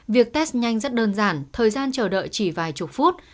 việc test nhanh rất đơn giản thời gian chờ đợi chỉ vài chục phút